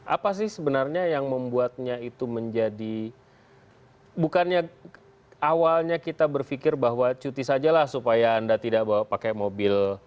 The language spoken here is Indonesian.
apa sih sebenarnya yang membuatnya itu menjadi bukannya awalnya kita berpikir bahwa cuti saja lah supaya anda tidak pakai mobil